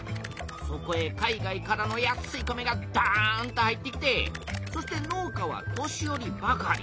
そこへ海外からの安い米がどんと入ってきてそして農家は年よりばかり。